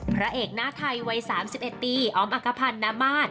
พระเอกหน้าไทยวัย๓๑ปีออมอักภัณฑ์นามาศ